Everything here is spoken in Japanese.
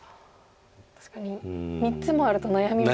確かに３つもあると悩みますね。